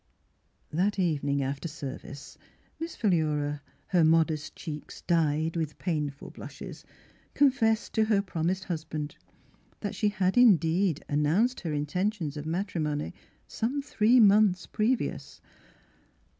" That evening after service Miss Philura, her modest cheeks dyed with painful blushes, confessed to her prom ised husband that she had in deed announced her intentions of matrimony some three months previous.